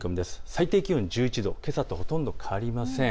最低気温１１度、けさとほとんど変わりません。